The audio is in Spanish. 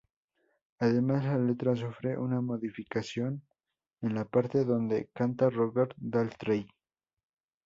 Además, la letra sufre una modificación en la parte donde canta Roger Daltrey.